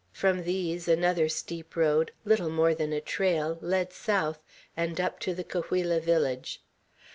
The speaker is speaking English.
From these, another steep road, little more than a trail, led south, and up to the Cahuilla village.